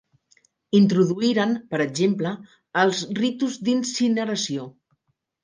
Introduïren, per exemple, els ritus d'incineració.